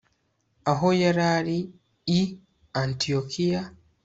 aho yari ari i antiyokiya